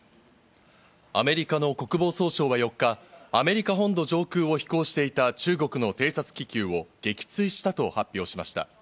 アメリカの国防総省は４日、アメリカ本土上空を飛行していた中国の偵察気球を撃墜したと発表しました。